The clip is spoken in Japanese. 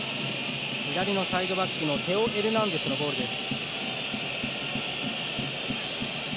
左のサイドバックのテオ・エルナンデスのゴールです。